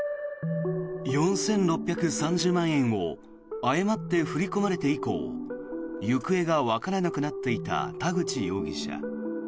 ４６３０万円を誤って振り込まれて以降行方がわからなくなっていた田口容疑者。